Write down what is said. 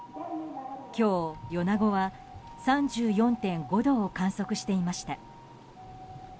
今日、米子は３４．５度を観測していました。